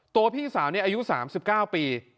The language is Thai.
พี่สาวนี้อายุ๓๙ปี